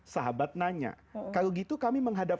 sahabat nanya kalau gitu kami menghadap